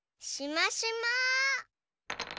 しましま。